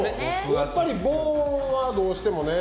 やっぱり防音はどうしてもね。